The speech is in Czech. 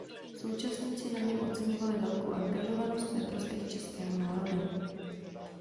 Současníci na něm oceňovali velkou angažovanost ve prospěch českého národa.